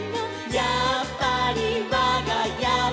「やっぱりわがやは」